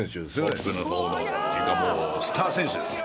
トップのほうのっていうかもうスター選手です